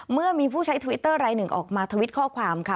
เมื่อมีผู้ใช้ทวิตเตอร์รายหนึ่งออกมาทวิตข้อความค่ะ